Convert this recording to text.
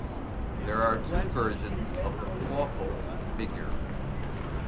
There are two versions of the Clawful figure.